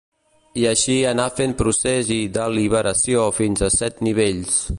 I així anar fent procés i deliberació fins a set nivells.